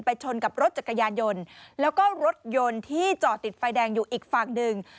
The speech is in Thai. ชนกับรถจักรยานยนต์แล้วก็รถยนต์ที่จอดติดไฟแดงอยู่อีกฝั่งหนึ่ง